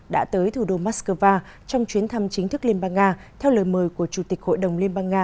đã tới thủ đô moscow trong chuyến thăm chính thức liên bang nga theo lời mời của chủ tịch hội đồng liên bang nga